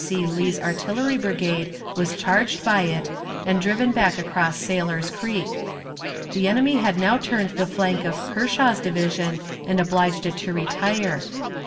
W. C. Lee's artillery brigade was charged by it, and driven back across Sailor's Creek. The enemy had now turned the flank of Kershaw's division and obliged it to retire.